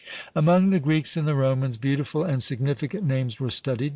Among the Greeks and the Romans, beautiful and significant names were studied.